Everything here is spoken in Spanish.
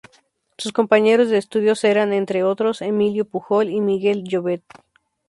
Sus compañeros de estudios eran, entre otros, Emilio Pujol y Miguel Llobet.